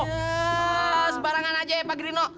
ya sebarangan aja pak grinlo